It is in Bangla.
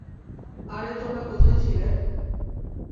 আরে তোমরা কোথায় ছিলে?